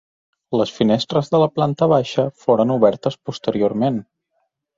Les finestres de la planta baixa foren obertes posteriorment.